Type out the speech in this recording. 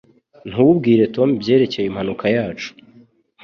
Ntubwire Tom ibyerekeye impanuka yacu